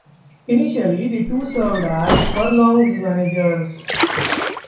Initially, the two served as Furlong's managers.